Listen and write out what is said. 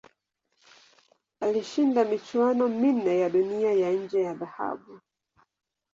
Alishinda michuano minne ya Dunia ya nje ya dhahabu.